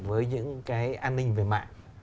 với những cái an ninh về mạng